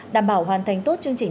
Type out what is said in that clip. đảm bảo hoàn thành tốt chương trình